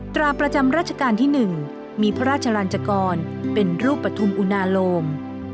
ตราประจำราชการที่๑มีพระราชลันจกรเป็นรูปปฐุมอุณาโลม